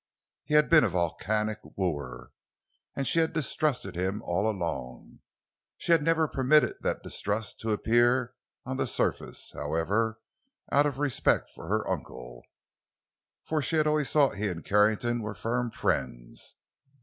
He had been a volcanic wooer, and she had distrusted him all along. She had never permitted that distrust to appear on the surface, however, out of respect for her uncle—for she had always thought he and Carrington were firm friends.